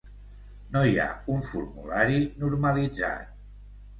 No hi ha un formulari normalitzat.